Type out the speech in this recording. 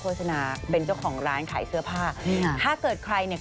โศนาเป็นเจ้าของร้านขายเสื้อผ้านี่ค่ะถ้าเกิดใครเนี่ย